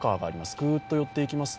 グッと寄っていきますと